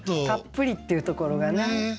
たっぷりっていうところがね。